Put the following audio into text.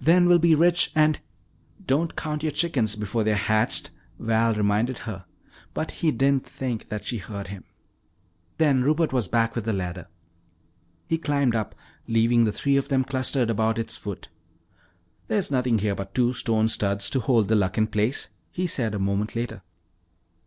"Then we'll be rich and " "Don't count your chickens before they're hatched," Val reminded her, but he didn't think that she heard him. Then Rupert was back with the ladder. He climbed up, leaving the three of them clustered about its foot. "Nothing here but two stone studs to hold the Luck in place," he said a moment later.